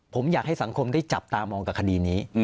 ผมอยากให้สังคมได้จับตามองกับคดีนี้